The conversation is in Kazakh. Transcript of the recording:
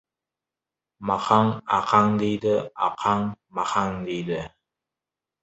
Махаң Ақаң дейді, Ақаң Махаң дейді.